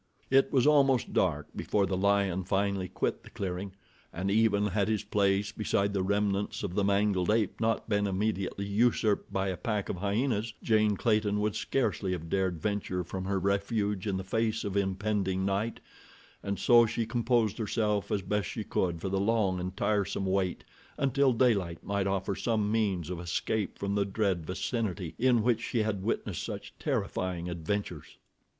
It was almost dark before the lion finally quit the clearing, and even had his place beside the remnants of the mangled ape not been immediately usurped by a pack of hyenas, Jane Clayton would scarcely have dared venture from her refuge in the face of impending night, and so she composed herself as best she could for the long and tiresome wait, until daylight might offer some means of escape from the dread vicinity in which she had witnessed such terrifying adventures.